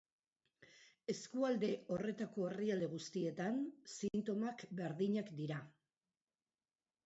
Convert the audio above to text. Eskualde horretako herrialde guztietan sintomak berdinak dira.